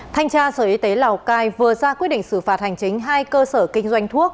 thanh tra sở y tế lào cai vừa ra quyết định xử phạt hành chính hai cơ sở kinh doanh thuốc